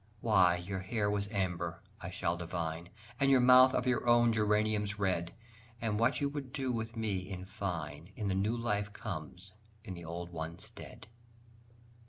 Why your hair was amber, I shall divine, And your mouth of your own geranium's red And what you would do with me, in fine, In the new life come in the old one's stead.